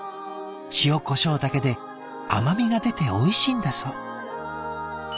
塩こしょうだけで甘みが出ておいしいんだそう」。